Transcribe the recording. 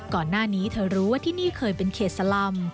ก่อนหน้านี้เธอรู้ว่าที่นี่เคยเป็นเขตสลำ